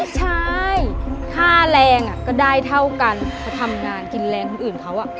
ใช่ท่าแรงอ่ะก็ได้เท่ากันเพราะทำงานกินแรงคนอื่นเขาอ่ะ